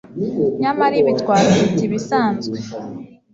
nyamara ibi twabyita ibisanzwe